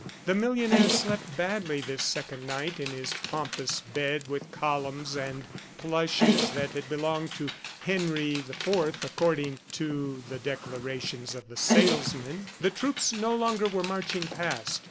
The millionaire slept badly this second night in his pompous bed with columns and plushes that had belonged to Henry IV according to the declarations of the salesmen. The troops no longer were marching past.